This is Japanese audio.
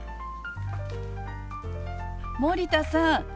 森田さん